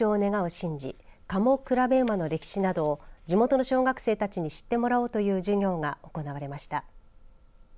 神事賀茂競馬の歴史などを地元の小学生たちに知ってもらう授業が行われました。